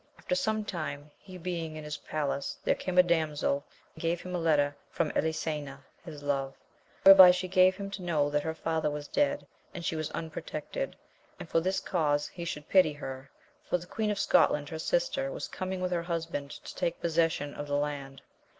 After some time, he being in his palace, there came a damsel and gave him a letter from Elisena his love, whereby she gave him to know that her father was dead, and she was unprotected, and for this cause he should pity her, for the queen of Scotland her sister was coming with her husband to take possession of the land.